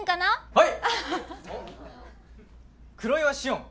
はい！